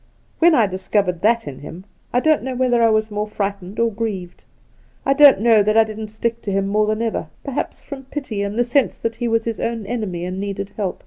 When I discovered that in him, I don't know whether I was more frightened or grieved. I don't know that I didn't stick to him more than ever — perhaps from pity, and the sense that he was his own enemy and needed help.